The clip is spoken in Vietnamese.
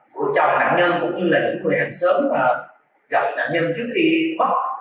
của chồng nạn nhân cũng như là những người hàng xóm gặp nạn nhân trước khi mất